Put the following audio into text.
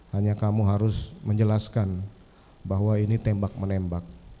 hanya kamu harus menjelaskan bahwa ini tembak menembak